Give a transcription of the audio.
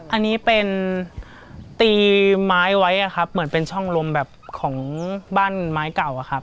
อันนี้เป็นตีไม้ไว้อะครับเหมือนเป็นช่องลมแบบของบ้านไม้เก่าอะครับ